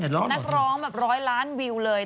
นักร้องแบบร้อยล้านวิวเลย